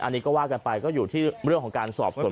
อันนี้ก็ว่ากันไปก็อยู่ที่เรื่องของการสอบสวน